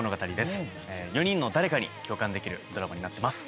４人の誰かに共感できるドラマになってます。